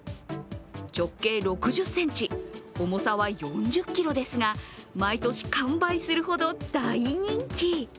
直径６０ｃｍ、重さは４０ｋｇですが、毎年完売するほど大人気。